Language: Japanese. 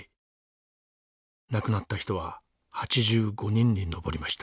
亡くなった人は８５人に上りました。